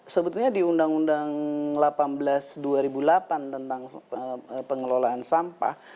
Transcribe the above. sebetulnya di undang undang delapan belas dua ribu delapan tentang pengelolaan sampah